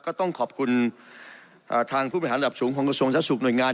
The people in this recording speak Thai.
ก็ต้องขอบคุณทางผู้บริหารระดับสูงของกระทรวงสาธาสุขหน่วยงาน